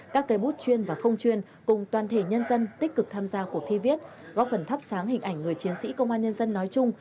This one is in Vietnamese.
các cây bút chuyên và không chuyên cùng toàn thể nhân dân tích cực tham gia cuộc thi viết góp phần thắp sáng hình ảnh người chiến sĩ công an nhân dân nói chung